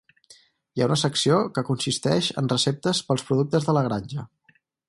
Hi ha una secció que consisteix en receptes pels productes de la granja.